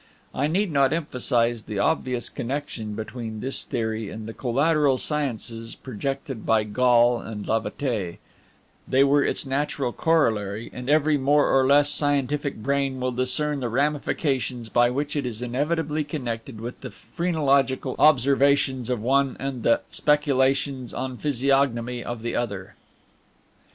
I need not emphasize the obvious connection between this theory and the collateral sciences projected by Gall and Lavater; they were its natural corollary; and every more or less scientific brain will discern the ramifications by which it is inevitably connected with the phrenological observations of one and the speculations on physiognomy of the other.